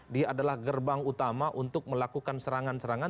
dia adalah gerbang utama untuk melakukan serangan serangan